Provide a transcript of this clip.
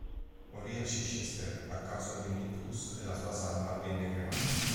Morì a Chichester a causa di un ictus e la sua salma venne cremata.